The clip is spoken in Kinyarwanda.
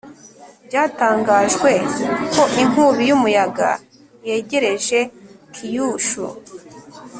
Byatangajwe ko inkubi yumuyaga yegereje Kyushu